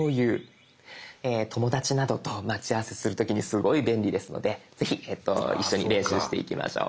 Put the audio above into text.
友達などと待ち合わせする時にすごい便利ですのでぜひ一緒に練習していきましょう。